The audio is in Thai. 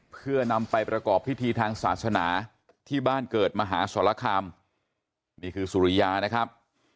เพื่อนำไปประกอบพิธีทางศาสนาที่บ้านเกิดมหาสรคามนี่คือสุริยานะครับ